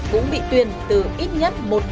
cũng bị tuyên từ ít nhất một năm sáu tháng